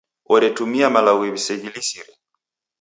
Oretumia malagho w'iseghilisire.